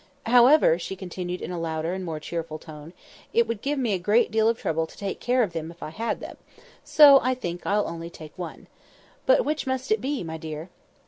"However," she continued in a louder and more cheerful tone, "it would give me a great deal of trouble to take care of them if I had them; so, I think, I'll only take one. But which must it be, my dear?"